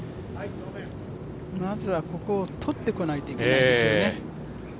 まずはここをとってこないといけないですよね。